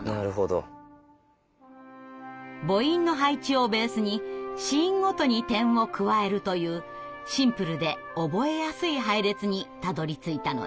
母音の配置をベースに子音ごとに点を加えるというシンプルで覚えやすい配列にたどりついたのです。